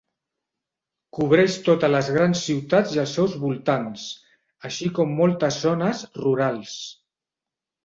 Cobreix totes les grans ciutats i els seus voltants, així com moltes zones rurals.